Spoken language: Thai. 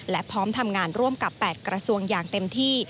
และพร้อมทำงานร่วมกับ๘กระทรวงอย่างเต็มที่